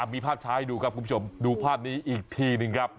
มีภาพช้าให้ดูครับคุณผู้ชมดูภาพนี้อีกทีหนึ่งครับ